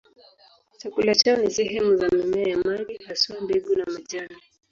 Chakula chao ni sehemu za mimea ya maji, haswa mbegu na majani.